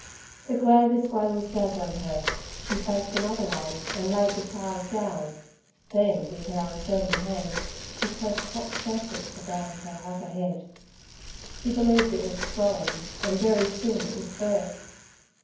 The glare this way was dazzling her. She faced another way and laid the child down, then with her uncertain hands she pressed hot circlets round her hotter head. She believed it was swelling, and very soon it would burst.